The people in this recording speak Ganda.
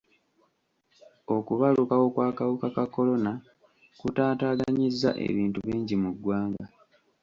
Okubalukawo kw'akawuka ka kolona kutaataaganyizza ebintu bingi mu ggwanga.